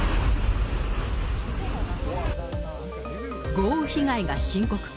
豪雨被害が深刻化。